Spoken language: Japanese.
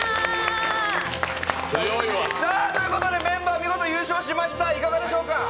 メンバー、見事優勝しました、いかがでしょうか？